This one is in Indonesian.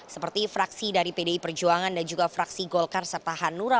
seperti fraksi dari pdi perjuangan dan juga fraksi golkar serta hanura